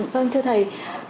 vâng thưa thầy